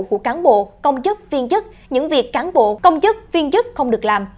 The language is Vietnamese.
của cán bộ công chức viên chức những việc cán bộ công chức viên chức không được làm